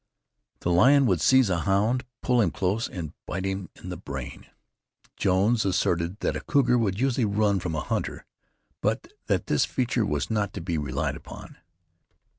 The lion would seize a hound, pull him close, and bite him in the brain. Jones asserted that a cougar would usually run from a hunter, but that this feature was not to be relied upon.